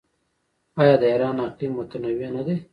آیا د ایران اقلیم متنوع نه دی؟